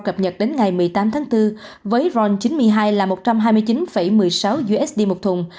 cập nhật đến ngày một mươi tám tháng bốn với ron chín mươi hai là một trăm hai mươi chín một mươi sáu usd một thùng